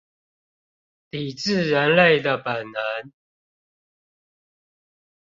抵制人類的本能